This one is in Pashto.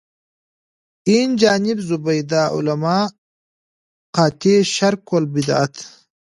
اینجانب زبدة العلما قاطع شرک و البدعت.